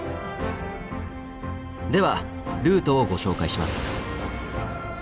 ではルートをご紹介します。